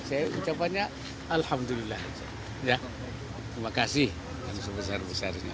saya ucapannya alhamdulillah terima kasih sebesar besarnya